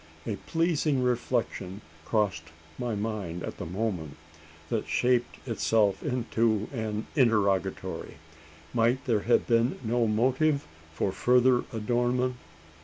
A pleasing reflection crossed my mind at the moment, that shaped itself into an interrogatory: might there have been no motive for further adornment?